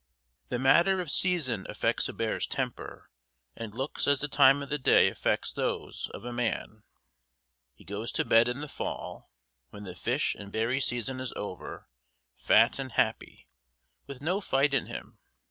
The matter of season affects a bear's temper and looks as the time of the day affects those of a man. He goes to bed in the fall, when the fish and berry season is over, fat and happy, with no fight in him.